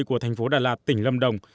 của thành phố đà lạt tỉnh lâm đồng